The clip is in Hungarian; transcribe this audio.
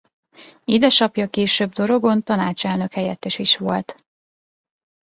Édesapja később Dorogon tanácselnök helyettes is volt.